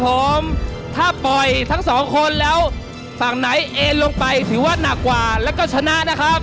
ผมถ้าปล่อยทั้งสองคนแล้วฝั่งไหนเอ็นลงไปถือว่าหนักกว่าแล้วก็ชนะนะครับ